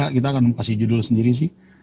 kita akan kasih judul sendiri sih